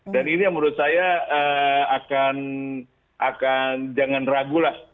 dan ini menurut saya akan jangan ragu lah